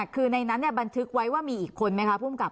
คือในนั้นบันทึกไว้ว่ามีอีกคนไหมคะภูมิกับ